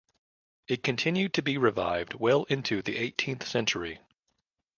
It continued to be revived well into the eighteenth century.